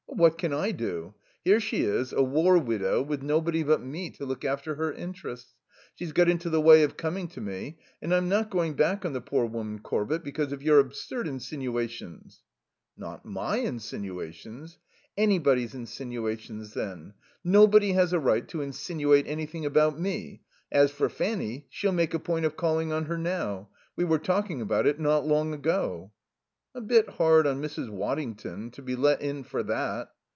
"What can I do? Here she is, a war widow with nobody but me to look after her interests. She's got into the way of coming to me, and I'm not going back on the poor woman, Corbett, because of your absurd insinuations." "Not my insinuations." "Anybody's insinuations then. Nobody has a right to insinuate anything about me. As for Fanny, she'll make a point of calling on her now. We were talking about it not long ago." "A bit hard on Mrs. Waddington to be let in for that."